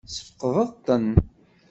Tesfeqdeḍ-ten?